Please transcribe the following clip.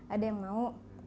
ada yang mau